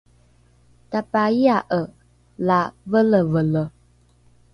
tapaia’e la velevele